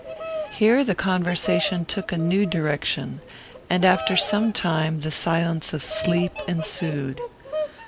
Here the conversation took a new direction, and, after some time, the silence of sleep ensued.